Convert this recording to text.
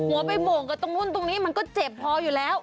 หัวไปโบ่งกับตรงนู้นตรงนี้มันก็เจ็บพออยู่แล้ว